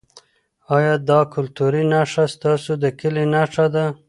ایا دا کلتوري نښه ستاسو د کلي نښه ده؟